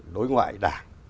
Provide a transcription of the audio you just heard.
đối ngoại đảng